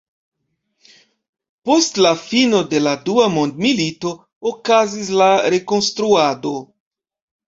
Post la fino de la Dua Mondmilito okazis la rekonstruado.